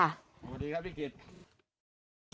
สวัสดีครับพี่กิจ